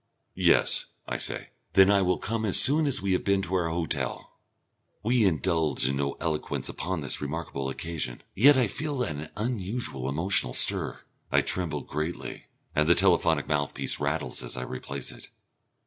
"Yes," I say, "then I will come as soon as we have been to our hotel." We indulge in no eloquence upon this remarkable occasion. Yet I feel an unusual emotional stir. I tremble greatly, and the telephonic mouthpiece rattles as I replace it.